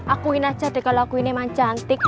akuin aja deh kalau akuin emang cantik